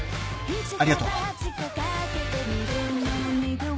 ありがとう。